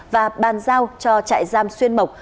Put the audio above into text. và bàn giao cho trại giam xuyên mộc